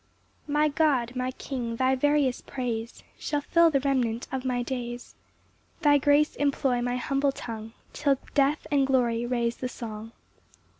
1 My God, my King, thy various praise Shall fill the remnant of my days; Thy grace employ my humble tongue Till death and glory raise the song.